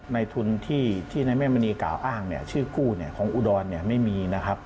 ในทุนที่ในแม่มณีกล่าวอ้างชื่อกู้ของอุดรไม่มีนะครับ